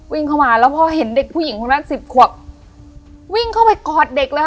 วิ่งเข้ามาแล้วพอเห็นเด็กผู้หญิงคนนั้นสิบขวบวิ่งเข้าไปกอดเด็กเลยค่ะ